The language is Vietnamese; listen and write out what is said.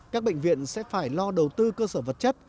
các bệnh viện sẽ phải lo đầu tư cơ sở vật chất